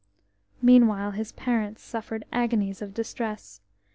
Meanwhile his parents suffered agonies of distress.